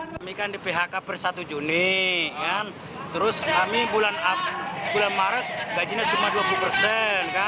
kami kan di phk per satu juni terus kami bulan maret gajinya cuma dua puluh persen